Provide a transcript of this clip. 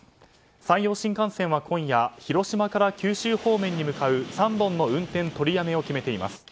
山陽新幹線は今夜広島から九州方面に向かう３本の運転取りやめを決めています。